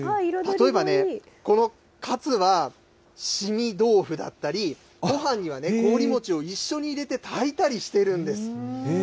例えば、このカツは凍み豆腐だったり、ごはんには凍り餅を一緒に入れて炊いたりしているんです。